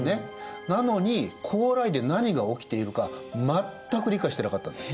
なのに高麗で何が起きているか全く理解してなかったんです。